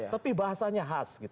tapi bahasanya khas